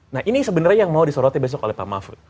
nah ini sebenarnya yang mau disorotin besok oleh pak mahfud